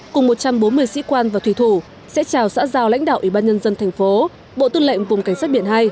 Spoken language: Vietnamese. cùng một trăm bốn mươi sĩ quan và thủy thủ sẽ chào xã giao lãnh đạo ủy ban nhân dân thành phố bộ tư lệnh vùng cảnh sát biển hai